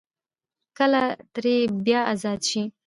کله ترې بيا ازاد شي ـ